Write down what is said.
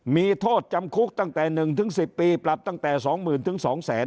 มีโทษจำคุกตั้งแต่๑๑๐ปีปรับตั้งแต่๒๐๐๐๒๐๐๐